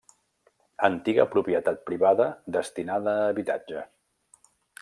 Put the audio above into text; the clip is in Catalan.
Antiga propietat privada destinada a habitatge.